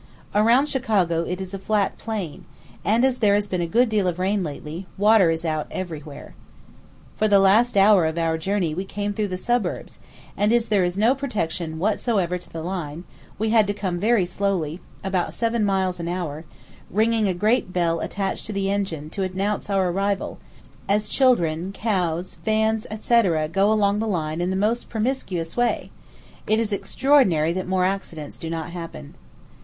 Around Chicago it is a flat plain, and, as there has been a good deal of rain lately, water is out everywhere. For the last hour of our journey we came through the suburbs, and, as there is no protection whatsoever to the line, we had to come very slowly (about seven miles an hour), ringing a great bell attached to the engine to announce our arrival, as children, cows, vans, &c. go along the line in the most promiscuous way; it is extraordinary that more accidents do not happen.